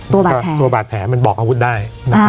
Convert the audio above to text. ตัวบาดแผลมันบอกอาวุธได้